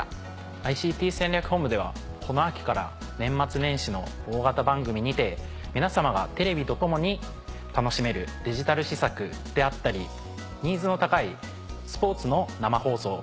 ＩＣＴ戦略本部ではこの秋から年末年始の大型番組にて皆様がテレビと共に楽しめるデジタル施策であったりニーズの高い。